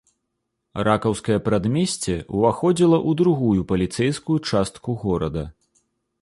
Ракаўскае прадмесце ўваходзіла ў другую паліцэйскую частку горада.